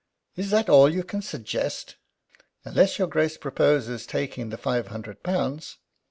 "Is that all you can suggest?" "Unless your Grace proposes taking the five hundred pounds."